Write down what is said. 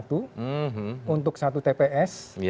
untuk satu tps